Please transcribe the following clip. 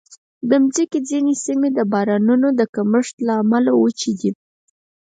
د مځکې ځینې سیمې د بارانونو د کمښت له امله وچې دي.